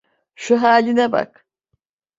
Şu hâline bak.